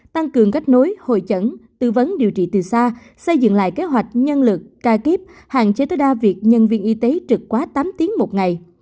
tăng cường kết nối hội chẩn tư vấn điều trị từ xa xây dựng lại kế hoạch nhân lực ca kiếp hạn chế tối đa việc nhân viên y tế trực quá tám tiếng một ngày